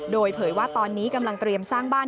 โดยเผยว่าตอนนี้กำลังเตรียมสร้างบ้าน